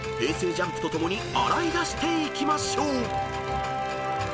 ＪＵＭＰと共に洗い出していきましょう］